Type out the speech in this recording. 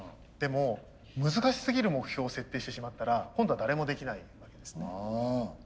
でも難しすぎる目標を設定してしまったら今度は誰もできないわけですね。